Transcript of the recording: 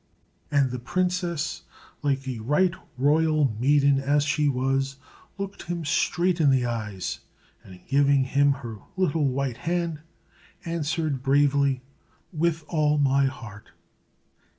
And the princess, like a right royal maiden as she was, looked him straight in the eyes, and giving him her little white hand, answered bravely, "_With all my heart!